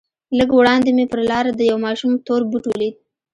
لږ وړاندې مې پر لاره د يوه ماشوم تور بوټ ولېد.